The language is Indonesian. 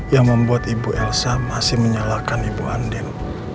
yang membuat ibu elsa masih menyalahkan ibu andin